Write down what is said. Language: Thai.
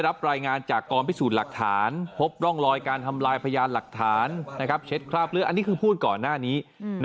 อันนี้คือพูดก่อนหน้านี้